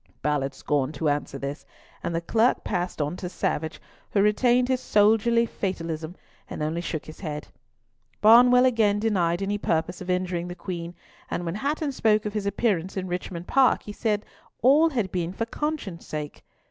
Ballard scorned to answer this, and the Clerk passed on to Savage, who retained his soldierly fatalism, and only shook his head. Barnwell again denied any purpose of injuring the Queen, and when Hatton spoke of his appearance in Richmond Park, he said all had been for conscience sake.